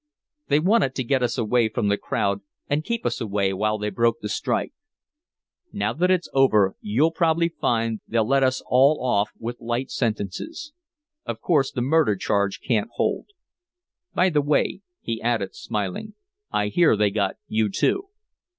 They wanted to get us away from the crowd and keep us away while they broke the strike. Now that it's over you'll probably find they'll let us all off with light sentences. Of course the murder charge can't hold.... By the way," he added, smiling, "I hear they got you, too."